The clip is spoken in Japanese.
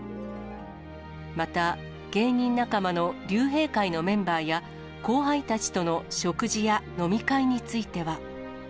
また、芸人仲間の竜兵会のメンバーや、後輩たちとの食事や飲み会については。